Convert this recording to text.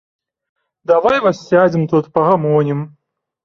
Давай вось сядзем тут, пагамонім.